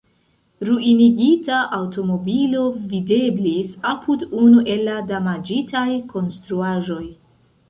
Ruinigita aŭtomobilo videblis apud unu el la damaĝitaj konstruaĵoj.